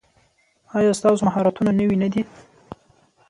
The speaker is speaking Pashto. ایا ستاسو مهارتونه نوي نه دي؟